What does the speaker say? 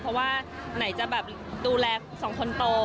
เพราะว่าไหนจะแบบดูแลสองคนโต